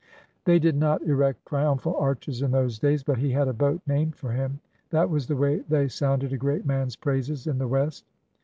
They did not erect triumphal arches in those days, but he had a boat named for him. That was the way they sounded a great man's praises in the West.